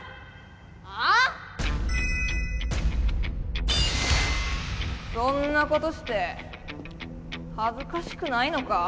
あ⁉そんなことしてはずかしくないのか？